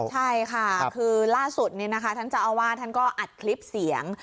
ใช่ค่ะคือล่าสุดท่านเจ้าอาวาสท่านก็อัดคลิปเสียง